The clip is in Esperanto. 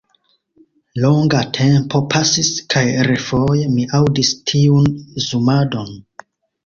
Longa tempo pasis kaj refoje mi aŭdis tiun zumadon.